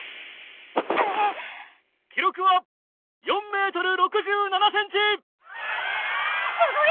記録は４ｍ６７ｃｍ！